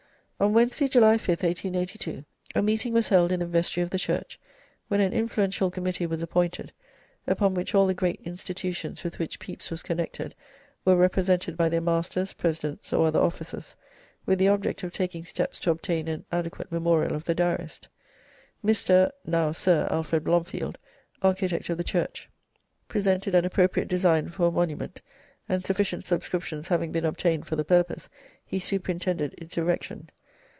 On Wednesday, July 5th, 1882, a meeting was held in the vestry of the church, when an influential committee was appointed, upon which all the great institutions with which Pepys was connected were represented by their masters, presidents, or other officers, with the object of taking steps to obtain an adequate memorial of the Diarist. Mr. (now Sir) Alfred Blomfield, architect of the church, presented an appropriate design for a monument, and sufficient subscriptions having been obtained for the purpose, he superintended its erection.